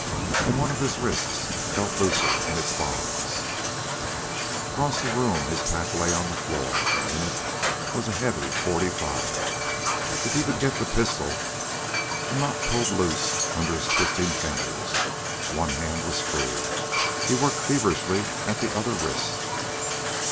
And one of his wrists felt looser in its bonds. Across the room his pack lay on the floor, and in it was a heavy forty five. If he could get the pistol.... A knot pulled loose under his twisting fingers. One hand was free. He worked feverishly at the other wrist.